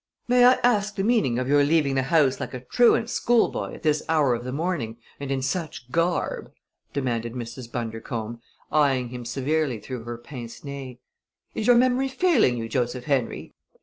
"May I ask the meaning of your leaving the house like a truant schoolboy at this hour of the morning, and in such garb!" demanded Mrs. Bundercombe, eying him severely through her pince nez. "Is your memory failing you, Joseph Henry?